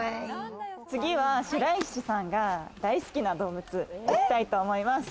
次は白石さんが大好きな動物行きたいと思います。